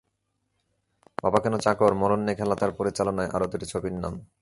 বাবা কেন চাকর, মরণ নিয়ে খেলা তাঁর পরিচালনায় আরো দুটি ছবির নাম।